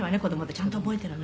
ちゃんと覚えてるのね